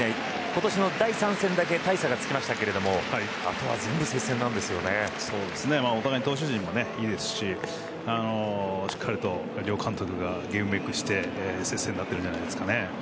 今年の第３戦だけ大差がつきましたがお互い、投手陣もいいですししっかり両監督がゲームメイクして接戦になってるんじゃないですかね。